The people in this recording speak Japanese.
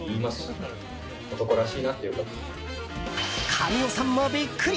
神尾さんもビックリ！